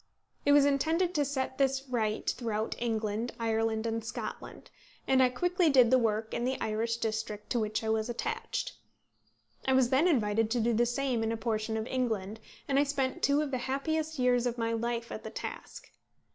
It was intended to set this right throughout England, Ireland, and Scotland; and I quickly did the work in the Irish district to which I was attached. I was then invited to do the same in a portion of England, and I spent two of the happiest years of my life at the task.